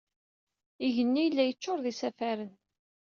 Igenni yella yeccuṛ d isafagen.